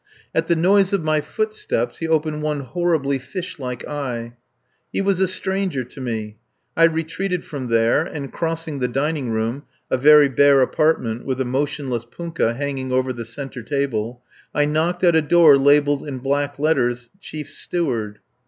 At the noise of my footsteps he opened one horribly fish like eye. He was a stranger to me. I retreated from there, and crossing the dining room a very bare apartment with a motionless punkah hanging over the centre table I knocked at a door labelled in black letters: "Chief Steward."